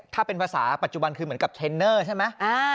ถ้าเป็นภาษาปัจจุบันคือเหมือนกับเทรนเนอร์ใช่ไหม